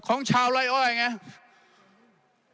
ของชาวไล่อ้อยไง